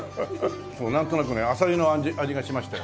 なんとなくねアサリの味がしましたよ。